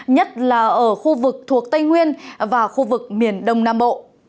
nhất là ở khu vực thuộc tây nguyên và khu vực miền đông nam bộ